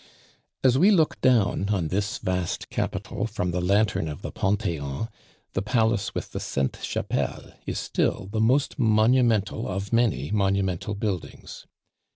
As we look down on this vast capital from the lantern of the Pantheon, the Palace with the Sainte Chapelle is still the most monumental of many monumental buildings.